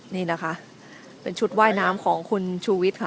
นี่นะคะเป็นชุดว่ายน้ำของคุณชูวิทย์ค่ะ